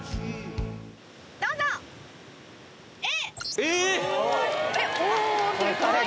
どうぞＡ！